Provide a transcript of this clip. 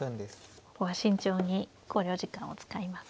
ここは慎重に考慮時間を使いますね。